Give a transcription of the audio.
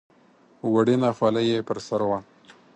وړینه خولۍ یې پر سر وه.